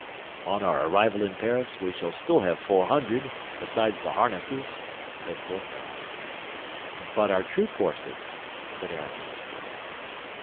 "On our arrival in Paris, we shall still have four hundred, besides the harnesses," said Porthos. "But our troop horses?" said Aramis.